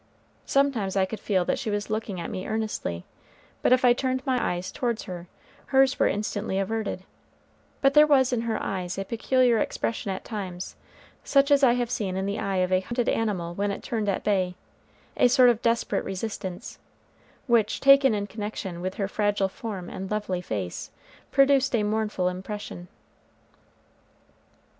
Sometimes I could feel that she was looking at me earnestly, but if I turned my eyes toward her, hers were instantly averted; but there was in her eyes a peculiar expression at times, such as I have seen in the eye of a hunted animal when it turned at bay, a sort of desperate resistance, which, taken in connection with her fragile form and lovely face, produced a mournful impression.